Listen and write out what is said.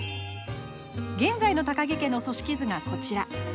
現在の高木家の組織図がこちら。